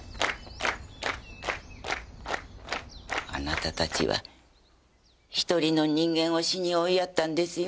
あなたたちは一人の人間を死に追いやったんですよ。